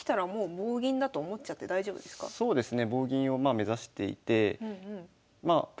そうですね。